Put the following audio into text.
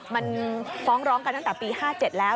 มันฟ้องร้องกันตั้งแต่ปี๕๗แล้ว